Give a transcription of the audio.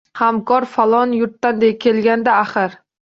Hamkor falon yurtdan kelganda axir.